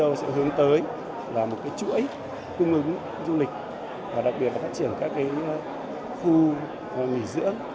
tập đoàn ceo sẽ hướng tới là một chuỗi cung ứng du lịch và đặc biệt là phát triển các khu nghỉ dưỡng